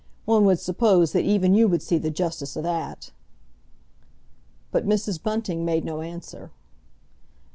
One would suppose that even you would see the justice o' that!" But Mrs. Bunting made no answer.